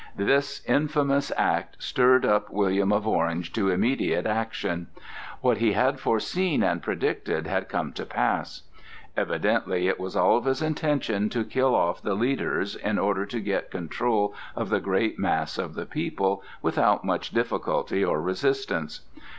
This infamous act stirred up William of Orange to immediate action. What he had foreseen and predicted had come to pass. Evidently it was Alva's intention to kill off the leaders in order to get control of the great mass of the people without much difficulty or resistance.